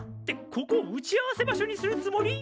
ここを打ち合わせ場所にするつもり！？